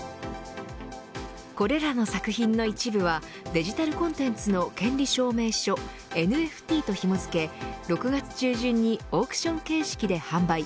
これらの作品の一部はデジタルコンテンツの権利証明書ＮＦＴとひも付け６月中旬にオークション形式で販売。